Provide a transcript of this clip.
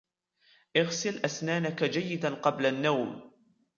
اغسل أسنانك جيدا قبل النوم.